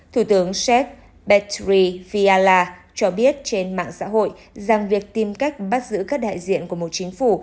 thủ tướng séc bethri fiala cho biết trên mạng xã hội rằng việc tìm cách bắt giữ các đại diện của một chính phủ